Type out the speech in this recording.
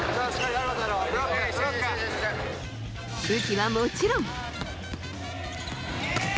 武器はもちろん。